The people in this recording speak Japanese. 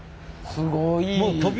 すごい。